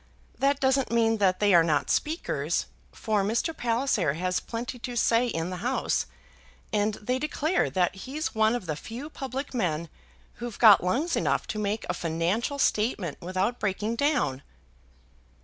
That doesn't mean that they are not speakers, for Mr. Palliser has plenty to say in the House, and they declare that he's one of the few public men who've got lungs enough to make a financial statement without breaking down."